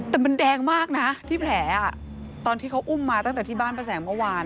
แต่มันแดงมากนะที่แผลตอนที่เขาอุ้มมาตั้งแต่ที่บ้านป้าแสงเมื่อวาน